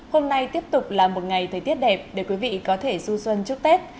hôm nay tiếp tục là một ngày thời tiết đẹp để quý vị có thể xu xuân trước tết